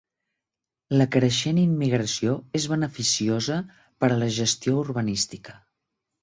La creixent immigració és beneficiosa per a la gestió urbanística.